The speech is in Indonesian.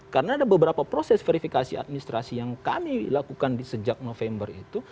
karena ada beberapa proses verifikasi administrasi yang kami lakukan di sejak november itu